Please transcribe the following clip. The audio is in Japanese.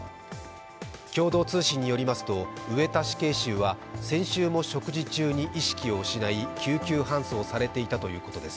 共同通信によりますと、上田死刑囚は先週も食事中に意識を失い、救急搬送されていたということです。